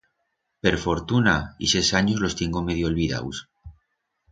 Per fortuna, ixes anyos los tiengo medio olbidaus.